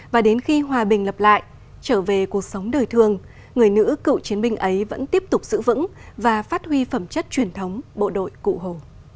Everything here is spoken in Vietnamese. và đến khi hòa bình lập lại trở về cuộc sống đời thương người nữ cựu chiến binh ấy vẫn tiếp tục giữ vững và phát huy phẩm chất truyền thống bộ đội cụ hồ